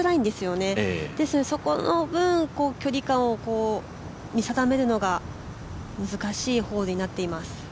ですので、そこの分、距離感を見定めるのが難しいホールになっています。